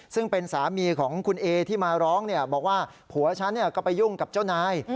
ซึ่งเป็นสามีของคุณเอที่มาร้องบอกว่าผัวฉันก็ไปยุ่งกับเจ้านาย